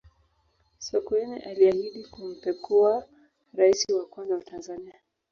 sokoine aliahidi kumpekua raisi wa kwanza wa tanzania